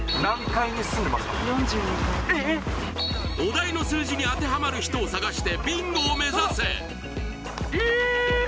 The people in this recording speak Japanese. ４２階お題の数字に当てはまる人を探してビンゴを目指せリーチ！